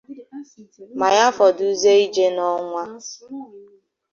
ma ya fọdụzie ije n'ọnwa.